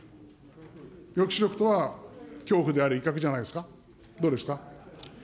抑止力とは恐怖であり、威嚇じゃないですか、どうですか。